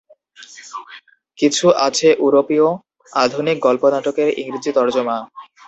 কিছু আছে য়ুরোপীয় আধুনিক গল্প-নাটকের ইংরেজি তর্জমা।